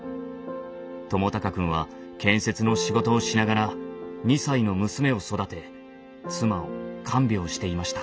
智隆くんは建設の仕事をしながら２歳の娘を育て妻を看病していました。